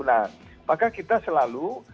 nah maka kita selalu